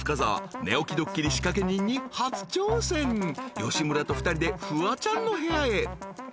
［吉村と２人でフワちゃんの部屋へ］